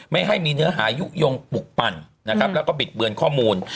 ไม่ให้มีเนื้อหายุโยงปลุกปั่นนะครับแล้วก็บิดเบือนข้อมูล